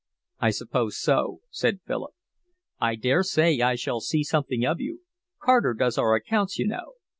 "I suppose so," said Philip. "I daresay I shall see something of you. Carter does our accounts, you know."